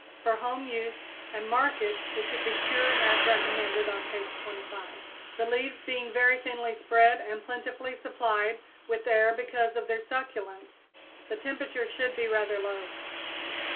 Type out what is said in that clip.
For home use and market it should be cured as recommended on page 25, the leaves being very thinly spread and plentifully supplied with air because of their succulence. The temperature should be rather low.